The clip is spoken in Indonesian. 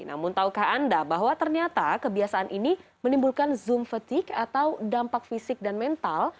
namun tahukah anda bahwa ternyata kebiasaan ini menimbulkan zoom fatigue atau dampak fisik dan mental